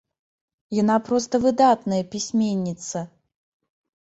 Яна проста выдатная пісьменніца!